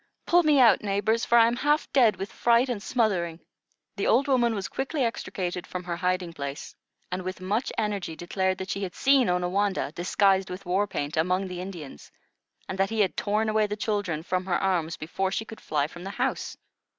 Pull me out, neighbors, for I am half dead with fright and smothering." The old woman was quickly extricated from her hiding place, and with much energy declared that she had seen Onawandah, disguised with war paint, among the Indians, and that he had torn away the children from her arms before she could fly from the house.